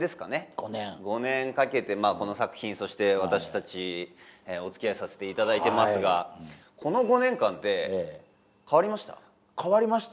５年５年かけてこの作品そして私達お付き合いさせていただいてますがこの５年間で変わりました？